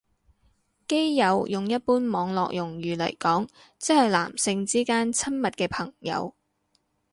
基友用一般網絡用語嚟講即係男性之間親密嘅朋友